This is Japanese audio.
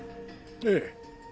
ええ。